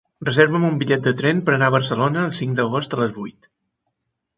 Reserva'm un bitllet de tren per anar a Barcelona el cinc d'agost a les vuit.